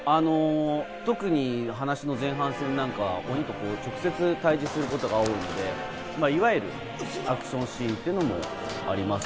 特に話の前半戦なんかは直接、対峙することが多いのでアクションシーンもあります。